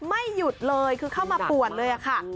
ไม่หยุดเลยคือเข้ามาปวดเลยค่ะ